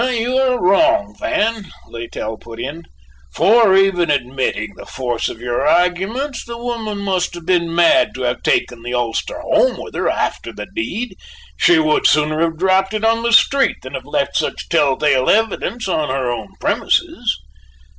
"You are wrong, Van," Littell put in, "for, even admitting the force of your arguments, the woman must have been mad to have taken the ulster home with her after the deed; she would sooner have dropped it on the street than have left such tell tale evidence on her own premises."